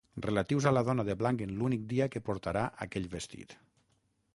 Relatius a la dona de blanc en l'únic dia que portarà aquell vestit.